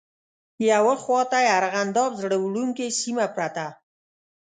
یوه خواته یې ارغنداب زړه وړونکې سیمه پرته.